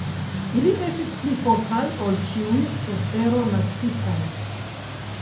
Ili estis pli fortaj ol ĉiuj, sur tero naskitaj.